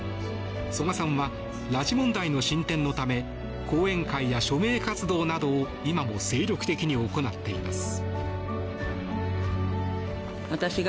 曽我さんは拉致問題の進展のため講演会や署名活動など今も精力的に行っています。